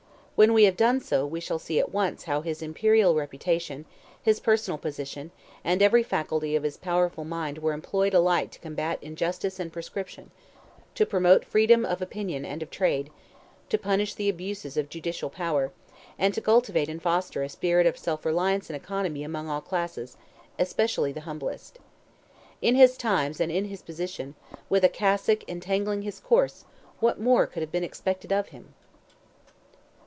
When we have done so, we shall see at once how his imperial reputation, his personal position, and every faculty of his powerful mind were employed alike to combat injustice and proscription, to promote freedom of opinion and of trade, to punish the abuses of judicial power, and to cultivate and foster a spirit of self reliance and economy among all classes—especially the humblest. In his times, and in his position, with a cassock "entangling his course," what more could have been expected of him?